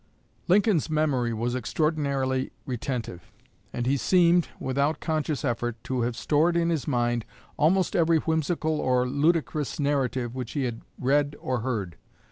Lincoln's memory was extraordinarily retentive, and he seemed, without conscious effort, to have stored in his mind almost every whimsical or ludicrous narrative which he had read or heard.